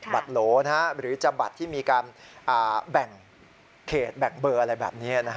โหลหรือจะบัตรที่มีการแบ่งเขตแบ่งเบอร์อะไรแบบนี้